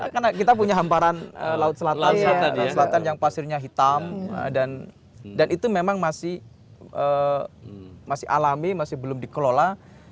karena kita punya hamparan laut selatan yang pasirnya hitam dan itu memang masih alami masih belum dikelola